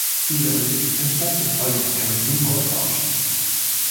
Dieser Weg entstand infolge des Cariboo-Goldrauschs.